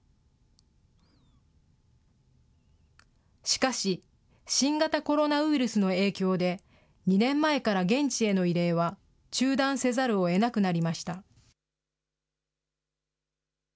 しかし、新型コロナウイルスの影響で、２年前から現地への慰霊は中断せざるをえなくなりました。